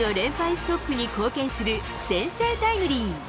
ストップに貢献する先制タイムリー。